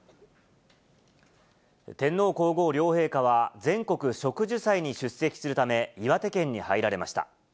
天皇皇后両陛下は、全国植樹祭に出席するため岩手県に入られました。